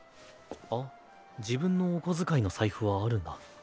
あっ自分のお小遣いの財布はあるんだ。